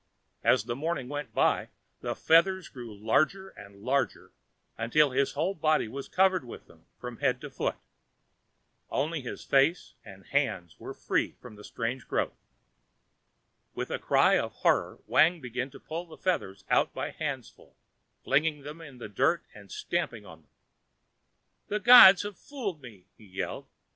As the morning went by, the feathers grew larger and larger, until his whole body was covered with them from head to foot. Only his face and hands were free of the strange growth. With a cry of horror, Wang began to pull the feathers out by handfuls, flinging them in the dirt and stamping on them. "The gods have fooled me!" he yelled.